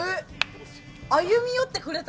歩み寄ってくれた。